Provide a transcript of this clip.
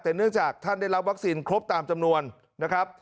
แต่เนื่องจากท่านได้รับวัคซีนครบตามจำนวนนะครับ